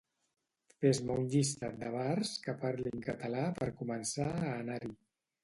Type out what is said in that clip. Fes-me un llistat de bars que parlin català per començar a anar-hi